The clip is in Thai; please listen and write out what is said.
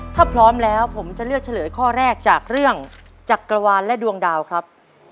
ถ้าพร้อมแล้วผมจะเลือกเฉลยข้อแรกจากเรื่องจักรวาลและดวงดาวครับ